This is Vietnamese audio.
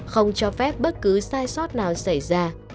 không cho phép bất cứ sai sót nào xảy ra